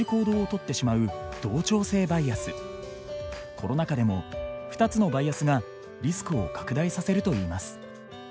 コロナ禍でも２つのバイアスがリスクを拡大させるといいます。